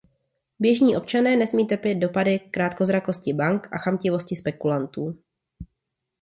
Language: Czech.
Běžní občané nesmí trpět dopady krátkozrakosti bank a chamtivosti spekulantů.